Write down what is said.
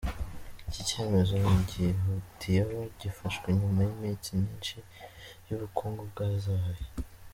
Iki cyemezo ngihutiyeho gifashwe nyuma y'iminsi myinshi y'ubukungu bwazahaye.